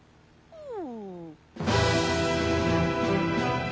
うん。